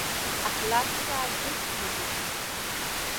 اخلاق څه ارزښت لري؟